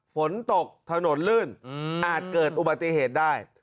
ฝนตกถนนลื่นอาจเกิดอุบัติเหตุได้